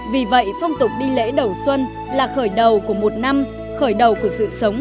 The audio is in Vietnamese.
vì vậy phong tục đi lễ đầu xuân là khởi đầu của một năm khởi đầu của sự sống